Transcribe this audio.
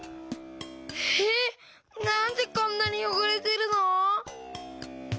えっなんでこんなによごれてるの？